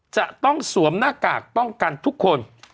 จะต้องสวมหน้ากากป้องกันทุกคน